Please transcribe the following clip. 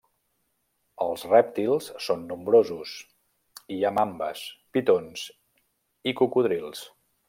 Els rèptils són nombrosos i hi ha mambes, pitons i cocodrils.